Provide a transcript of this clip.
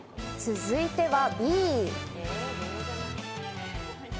続いてはＢ。